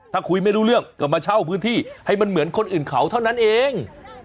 ถ้าคุยไม่รู้เรื่องก็มาเช่าพื้นที่ให้มันเหมือนคนอื่นเขาเท่านั้นเอง